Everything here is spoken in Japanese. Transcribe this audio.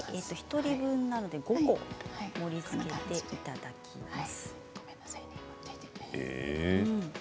１人分なので５個盛りつけていただきます。